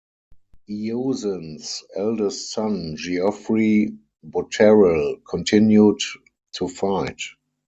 Eozen's eldest son Geoffrey Boterel continued to fight.